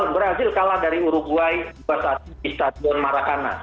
brazil kalah dari uruguay di stadion maracana